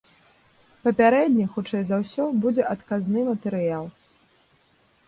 Папярэдне, хутчэй за ўсё, будзе адказны матэрыял.